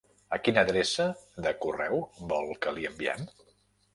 A quina adreça de correu vol que li enviem?